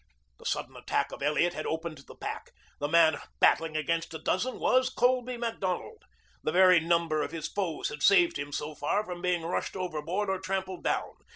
The sudden attack of Elliot had opened the pack. The man battling against a dozen was Colby Macdonald. The very number of his foes had saved him so far from being rushed overboard or trampled down.